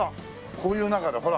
こういう中だよほら。